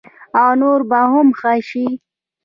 او نور به هم ښه شي.